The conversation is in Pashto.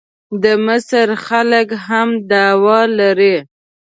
د مصر خلک هم دعوه لري.